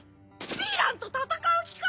ヴィランと戦う気か⁉